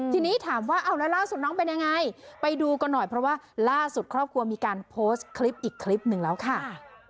ทีนี้ถามว่าเอาแล้วล่าสุดน้องเป็นยังไงไปดูกันหน่อยเพราะว่าล่าสุดครอบครัวมีการโพสต์คลิปอีกคลิปหนึ่งแล้วค่ะ